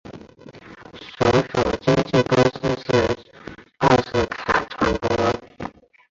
所属经纪公司是奥斯卡传播。